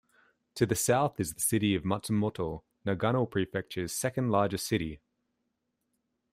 To the south is the city of Matsumoto, Nagano prefecture's second largest city.